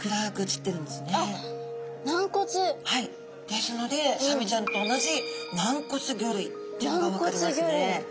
ですのでサメちゃんと同じ軟骨魚類っていうのが分かりますね。